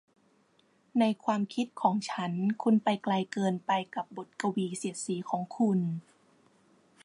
ในความคิดของฉันคุณไปไกลเกินไปกับบทกวีเสียดสีของคุณ